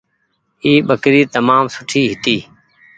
اي ٻڪري تمآم سوٺي هيتي۔